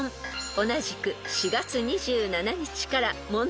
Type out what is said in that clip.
［同じく４月２７日から問題です］